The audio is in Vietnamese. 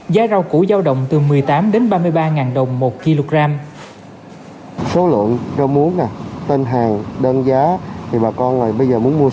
giá rau củ giao động từ một mươi tám đến ba mươi ba đồng một kg